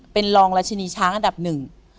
เป็นรองราชินีช้างอันดับหนึ่ง